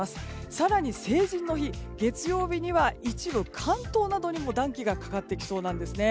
更に成人の日、月曜日には一部関東などにも暖気がかかってきそうなんです。